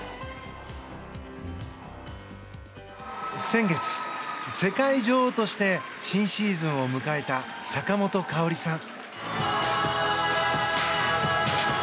先月、世界女王として新シーズンを迎えた坂本花織さん。